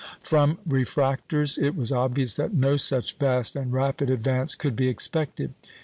From refractors it was obvious that no such vast and rapid advance could be expected.